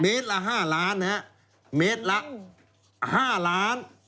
ละ๕ล้านนะฮะเมตรละ๕ล้าน